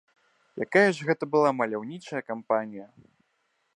Якая ж гэта была маляўнічая кампанія!